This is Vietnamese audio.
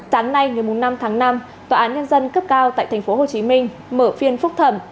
sáng nay ngày năm tháng năm tòa án nhân dân cấp cao tại tp hcm mở phiên phúc thẩm